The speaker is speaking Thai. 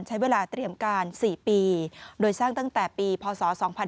ใช้เวลาเตรียมการ๔ปีโดยสร้างตั้งแต่ปีพศ๒๕๕๙